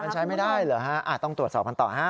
มันใช้ไม่ได้เหรอฮะต้องตรวจสอบกันต่อฮะ